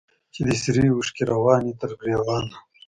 چي دي سرې اوښکي رواني تر ګرېوانه